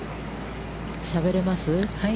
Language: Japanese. しゃべれます？